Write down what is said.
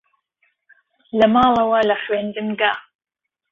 لەماڵەوە لە خوێندنگا